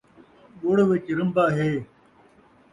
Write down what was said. ڳڑ وِچ رن٘با ہے